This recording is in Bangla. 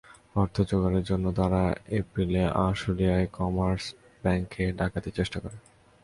অর্থ জোগাড়ের জন্য তারা এপ্রিলে আশুলিয়ার কমার্স ব্যাংকে ডাকাতির চেষ্টা করে।